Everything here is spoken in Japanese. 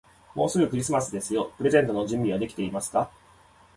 もうすぐクリスマスですよ。プレゼントの準備はできていますか。